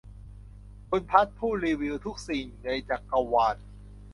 คุณพัชผู้รีวิวทุกสิ่งในจักรวาล